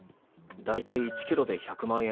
大体１キロで１００万円。